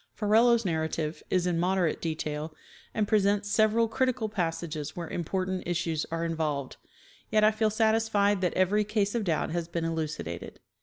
Ferrelo's narrative is in moderate detail, and presents several critical passages where important issues are involved, yet I feel satisfied that every case of doubt has been elucidated.